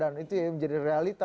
dan itu menjadi realitas